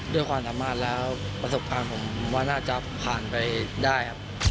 ด้วยความสามารถแล้วประสบการณ์ผมว่าน่าจะผ่านไปได้ครับ